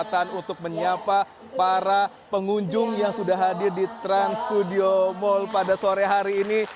kesempatan untuk menyapa para pengunjung yang sudah hadir di trans studio mall pada sore hari ini